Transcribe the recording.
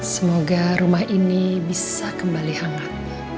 semoga rumah ini bisa kembali hangat